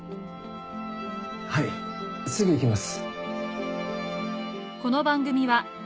はいすぐ行きます。